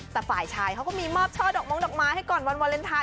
แต่ฝ่ายชายเขาก็มีมอบช่อดอกมงดอกไม้ให้ก่อนวันวาเลนไทย